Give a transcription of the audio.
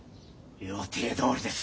予定どおりです。